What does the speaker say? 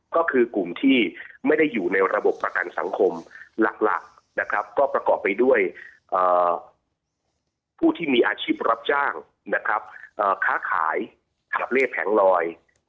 ก็คือกลุ่มที่ไม่ได้อยู่ในระบบประกันสังคมหลักนะครับก็ประกอบไปด้วยผู้ที่มีอาชีพรับจ้างนะครับค้าขายหาบเล่แผงลอย